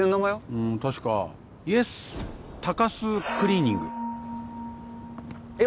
うん確かイエス鷹巣クリーニングえっ